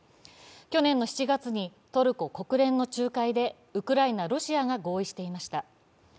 去年の７月にトルコ・国連の仲介でウクライナ、ロシアが合意していました。